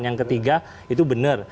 yang ketiga itu benar